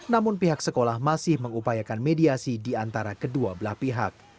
namun pihak sekolah masih mengupayakan mediasi di antara kedua belah pihak